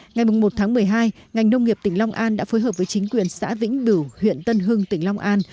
ngày một tháng một mươi hai ngành nông nghiệp tỉnh long an đã phối hợp với chính quyền xã vĩnh bửu huyện tân hưng tỉnh long an